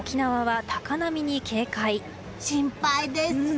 心配です。